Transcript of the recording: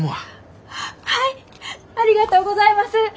ありがとうございます。